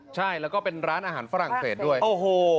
ใช่แล้วก็เป็นร้านอาหารฝรั่งเศสด้วยโอ้โห